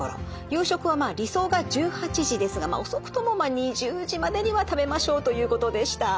夕食はまあ理想が１８時ですが遅くとも２０時までには食べましょうということでした。